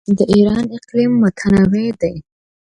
د ایران اقلیم متنوع دی.